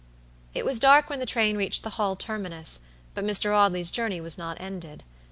It was dark when the train reached the Hull terminus, but Mr. Audley's journey was not ended.